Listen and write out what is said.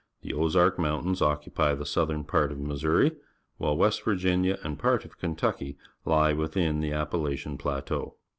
The Ozark Mountains occupy the southern part of Missouri, while West Virginia and part of Kentucky lie within the Appalachian Plateau.